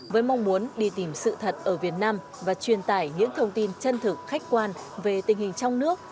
với mong muốn đi tìm sự thật ở việt nam và truyền tải những thông tin chân thực khách quan về tình hình trong nước